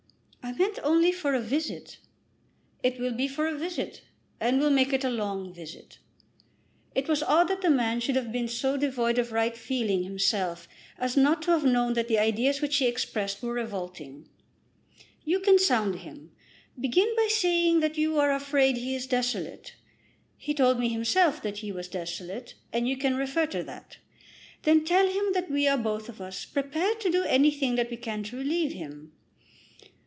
"I meant only for a visit." "It will be for a visit, and we'll make it a long visit." It was odd that the man should have been so devoid of right feeling himself as not to have known that the ideas which he expressed were revolting! "You can sound him. Begin by saying that you are afraid he is desolate. He told me himself that he was desolate, and you can refer to that. Then tell him that we are both of us prepared to do anything that we can to relieve him.